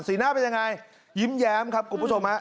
สีหน้าเป็นยังไงยิ้มแย้มครับกลุ่มผู้ชมนา